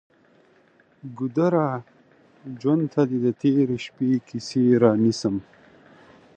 ګودره! ژوند ته دې د تیرې شپې کیسې رانیسم